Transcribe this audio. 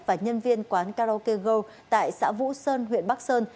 và nhân viên quán karaoke go tại xã vũ sơn huyện bắc sơn